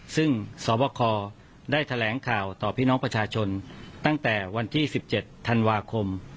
ซึ่งสวบคได้แถลงข่าวต่อพี่น้องประชาชนตั้งแต่วันที่๑๗ธันวาคม